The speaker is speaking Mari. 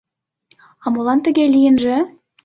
А молан тыге лийынже?